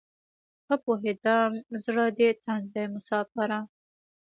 ښه پوهیږم زړه دې تنګ دی مساپره